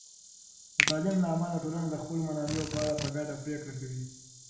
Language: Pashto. د تعلیم له امله، ټولنه د خپلو منابعو په اړه په ګډه پرېکړه کوي.